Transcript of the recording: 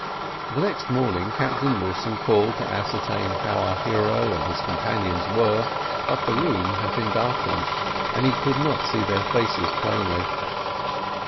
The next morning Captain Wilson called to ascertain how our hero and his companion were, but the room had been darkened, and he could not see their faces plainly.